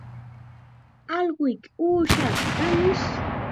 Allquyki uushaata kanish